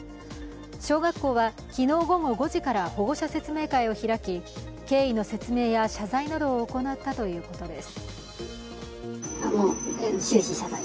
小学校は昨日午後５時から保護者説明会を開き経緯の説明や謝罪などを行ったということです。